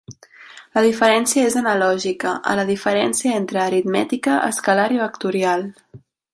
La diferència és analògica a la diferència entre aritmètica escalar i vectorial.